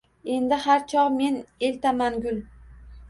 Endi har chog’ men eltaman gul.